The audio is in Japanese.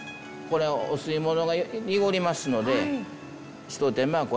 これお吸い物が濁りますので一手間